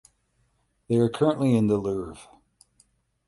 They are currently in the Louvre.